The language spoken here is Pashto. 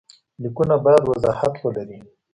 لیکونه باید وضاحت ولري.